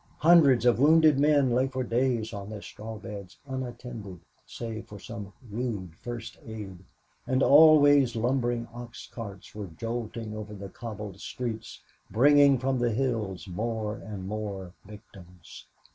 Hundreds of wounded men lay for days on their straw beds unattended save for some rude first aid and always lumbering ox carts were jolting over the cobbled streets bringing from the hills more and more victims.